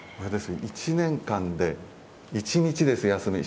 １年間で１日ですよ、休み。